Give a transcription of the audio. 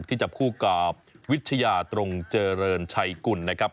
ที่จับคู่กับวิชญาตรงเจรนชัยกุ่่นนะครับ